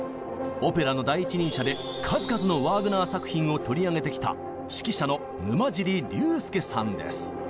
オペラの第一人者で数々のワーグナー作品を取り上げてきた指揮者の沼尻竜典さんです！